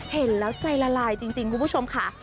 เห็นแล้วใจละลายจริงคุณผู้ชมค่ะ